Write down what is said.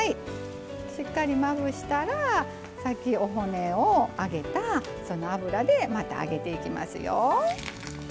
しっかりまぶしたらさっき、お骨を揚げた油でまた揚げていきますよ。